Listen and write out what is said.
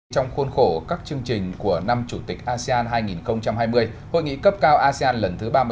trong khuôn khổ các chương trình của năm chủ tịch asean hai nghìn hai mươi hội nghị cấp cao asean lần thứ ba mươi sáu